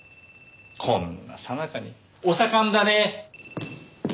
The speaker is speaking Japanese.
こんなさなかにお盛んだね！